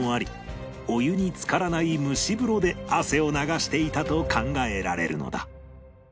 お湯につからない蒸し風呂で汗を流していたと考えられるのだ